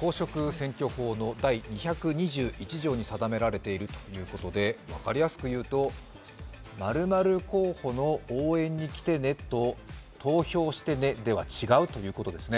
公職選挙法の第２２１条に定められているということで分かりやすく言うと、○○候補の応援に来てねと投票してねでは違うということですね。